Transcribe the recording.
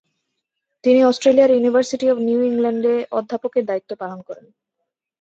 তিনি অস্ট্রেলিয়ার university of New ইংল্যান্ডে অধ্যাপকের দায়িত্ব পালন করেন।